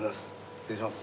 失礼します。